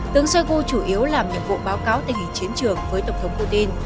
tướng shoigu chủ yếu làm nhiệm vụ báo cáo tình hình chiến trường với tổng thống putin